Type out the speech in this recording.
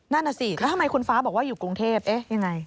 นั่นน่ะสิแล้วทำไมคุณฟ้าบอกว่าอยู่กรุงเทพเอ๊ะยังไง